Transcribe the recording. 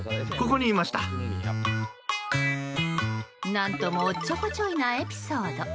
何ともおっちょこちょいなエピソード。